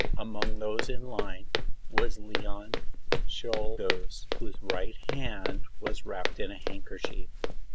Among those in line was Leon Czolgosz, whose right hand was wrapped in a handkerchief.